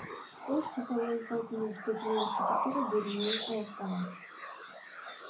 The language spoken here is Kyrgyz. Ош технологиялык университетинин архитектура бөлүмүн аяктагам.